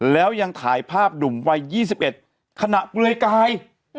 แล้วยังถ่ายภาพหนุ่มวัย๒๑ขณะเปลือยกาย